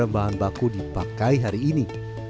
bahan baku dipakai hari ini